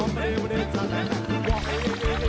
สบัดข่าวเด็ก